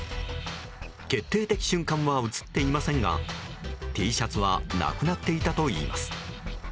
決定的瞬間は映っていませんがＴシャツはなくなっていたといいます。